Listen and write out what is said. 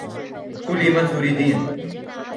كُلي ما تريدين.